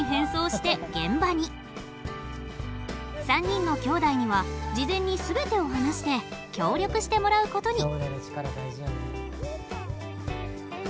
３人のきょうだいには事前に全てを話して協力してもらうことに。